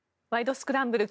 スクランブル」